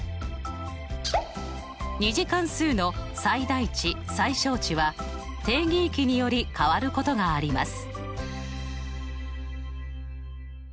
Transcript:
２次関数の最大値・最小値は定義域により変わることがあります。